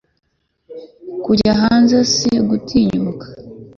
kujya hanze, isi gutinyuka